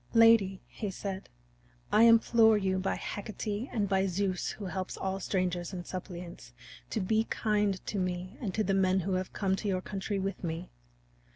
"Lady," he said, "I implore you by Hecate and by Zeus who helps all strangers and suppliants to be kind to me and to the men who have come to your country with me.